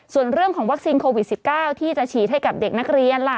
ส่วนเรื่องของวัคซีนโควิด๑๙ที่จะฉีดให้กับเด็กนักเรียนล่ะ